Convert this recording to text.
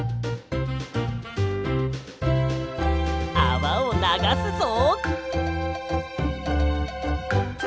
あわをながすぞ！